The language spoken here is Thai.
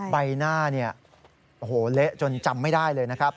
ใบหน้าเละจนจำไม่ได้เลยนะครับ